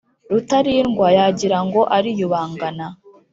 Rutalindwa yagira ngo ariyubangana